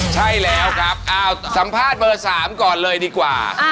ใช่แล้วครับสัมภาษณ์เบอร์๓ก่อนเลยดีกว่า